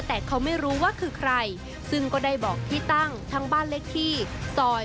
แต่เขาไม่รู้ว่าคือใครซึ่งก็ได้บอกที่ตั้งทั้งบ้านเล็กที่ซอย